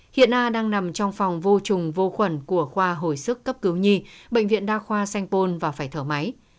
hiện a đang nằm trong phòng vô trùng vô khuẩn của khoa hồi sức cấp cứu nhi bệnh viện đa khoa sanh pôn và phải thở máy